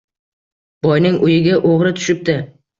Boyning uyiga o‘g‘ri tushibdi.